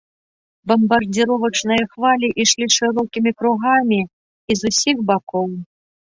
Бамбардзіровачныя хвалі ішлі шырокімі кругамі і з усіх бакоў.